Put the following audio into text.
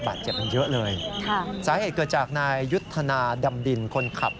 บาดเจ็บกันเยอะเลยค่ะสาเหตุเกิดจากนายยุทธนาดำดินคนขับ